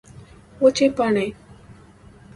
وچې پاڼې